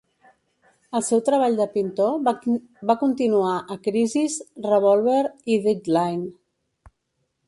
El seu treball de pintor va continuar a "Crisis", "Revolver" i "Deadline".